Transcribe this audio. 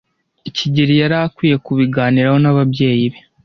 kigeli yari akwiye kubiganiraho n'ababyeyi be.